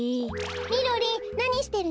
みろりんなにしてるの？